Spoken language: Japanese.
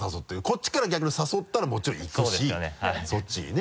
こっちから逆に誘ったらもちろん行くしそっちにね。